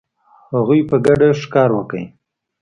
هغوی په ګډه ښکار وکړ.